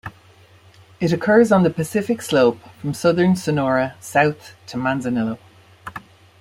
It occurs on the Pacific slope from southern Sonora south to Manzanillo.